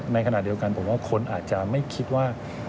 ในขณะเดียวกันผมว่าคนอาจจะไม่คิดว่า